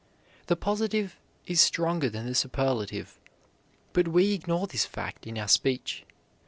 The positive is stronger than the superlative, but we ignore this fact in our speech.